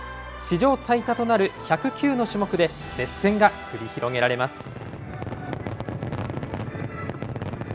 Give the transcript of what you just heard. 史上最多となる１０９の種目で熱戦が繰り広げられます。